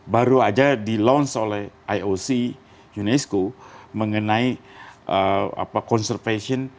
baru saja di launch oleh ioc unesco mengenai konservasi di luar